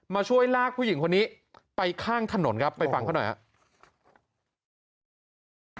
ช่วยลากผู้หญิงคนนี้ไปข้างถนนครับไปฟังเขาหน่อยครับ